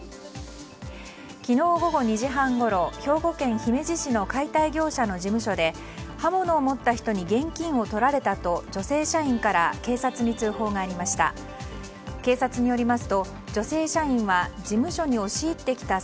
昨日午後２時半ごろ兵庫県姫路市の解体業者の事務所で刃物を持った人に現金をとられたと女性社員から警察に通報がありました。